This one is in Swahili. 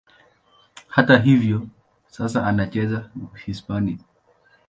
Hata hivyo, sasa anacheza Hispania.